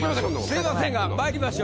すみませんがまいりましょう。